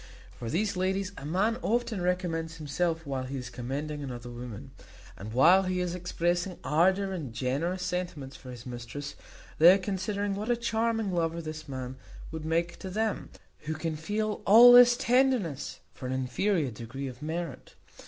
To these ladies a man often recommends himself while he is commending another woman; and, while he is expressing ardour and generous sentiments for his mistress, they are considering what a charming lover this man would make to them, who can feel all this tenderness for an inferior degree of merit.